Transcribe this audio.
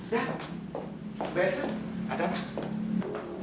ya mbak elsa ada apa